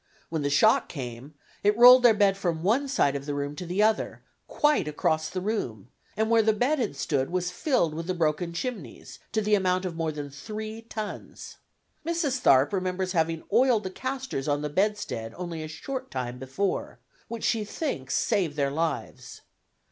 When the shock came it rolled their bed from one side of the room to the other, quite across the room, and where the bed had stood was filled with the broken chimney, to the amount of more than three tons. Mrs. Tharp remembers having oiled the castors on the bedstead only a short time before, which she thinks saved their lives.